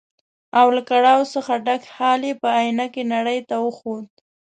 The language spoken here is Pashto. او له کړاو څخه ډک حال یې په ائينه کې نړۍ ته وښود.